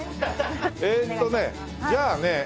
えーっとねじゃあね。